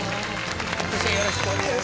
よろしくお願いします。